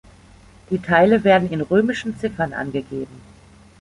Die Teile werden in römischen Ziffern angegeben.